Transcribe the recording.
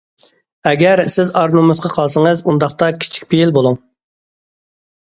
ئەگەر، سىز ئار- نومۇسقا قالسىڭىز ئۇنداقتا كىچىك پېئىل بۇلۇڭ.